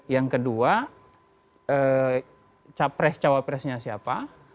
yang kedua cawapresnya siapa